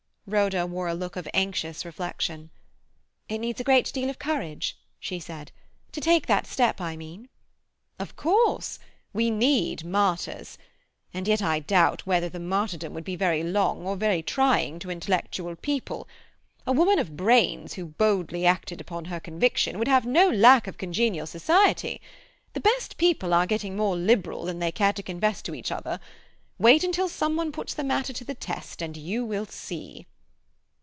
Rhoda wore a look of anxious reflection. "It needs a great deal of courage," she said. "To take that step, I mean." "Of course. We need martyrs. And yet I doubt whether the martyrdom would be very long, or very trying, to intellectual people. A woman of brains who boldly acted upon her conviction would have no lack of congenial society. The best people are getting more liberal than they care to confess to each other. Wait until some one puts the matter to the test and you will see."